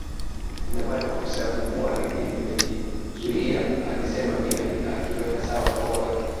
Tumepata fursa ya kumuua lakini tumejizuiaalisema Bi Anita akiweka sawa koo lake